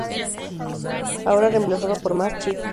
Ahora reemplazado por Más Chic.